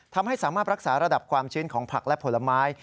ทำให้สามารถรักษาระดับความชื้นของผักและผลไม้